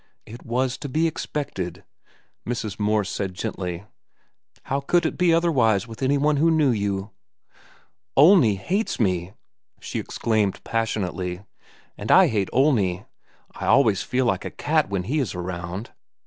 "It was to be expected," Mrs. Morse said gently. "How could it be otherwise with any one who knew you?" "Olney hates me!" she exclaimed passionately. "And I hate Olney. I feel always like a cat when he is around.